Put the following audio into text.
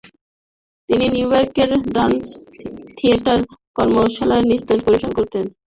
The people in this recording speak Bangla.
তিনি নিউইয়র্কের ডান্স থিয়েটার কর্মশালায় নৃত্য পরিবেশন করেছেন।